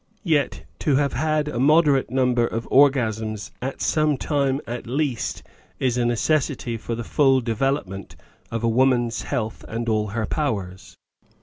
Yet to have had a moderate number of orgasms at some time at least is a necessity for the full development of a woman's health and all her powers.